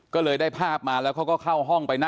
ก็เลยได้ภาพมาแล้วเขาก็เข้าห้องไปนะ